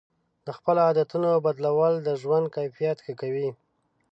د خپلو عادتونو بدلول د ژوند کیفیت ښه کوي.